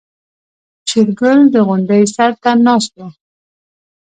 شېرګل د غونډۍ سر ته ناست و.